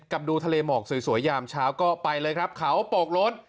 กลับดูทะเลเมาะสวยยามเช้าก็ไปเลยครับเขาปกรถ